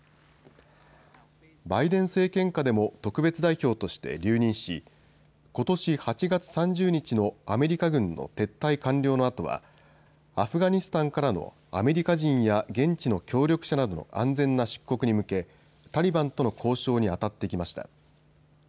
バイデン政権下でも特別代表として留任しことし８月３０日のアメリカ軍の撤退完了のあとはアフガニスタンからのアメリカ人や現地の協力者などの安全な出国に向け、タリバンとの交渉にあたってきました。